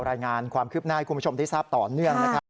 รายงานความคืบหน้าให้คุณผู้ชมได้ทราบต่อเนื่องนะครับ